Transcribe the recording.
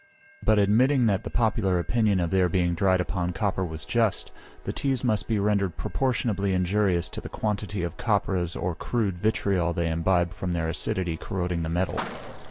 But admitting that the popular opinion of their being dried upon copper was just, the teas must be rendered proportionably injurious to the quantity of copperas or crude vitriol they imbibe from their acidity corroding the metal.